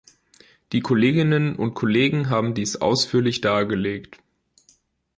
Die Kolleginnen und Kollegen haben dies ausführlich dargelegt.